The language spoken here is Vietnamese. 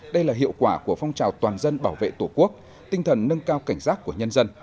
đây là hiệu quả của phong trào toàn dân bảo vệ tổ quốc tinh thần nâng cao cảnh giác của nhân dân